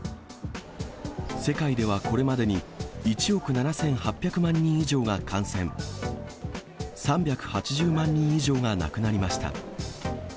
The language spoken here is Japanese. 世界ではこれまでに、１億７８００万人以上が感染、３８０万人以上が亡くなりました。